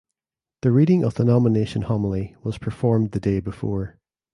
The reading of the nomination homily was performed the day before.